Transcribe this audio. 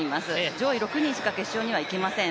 上位６人しか決勝には行けません。